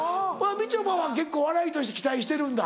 みちょぱは結構お笑いとして期待してるんだ。